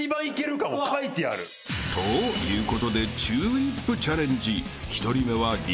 ［ということで『チューリップ』チャレンジ］